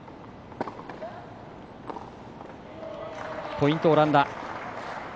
ポイント、オランダ。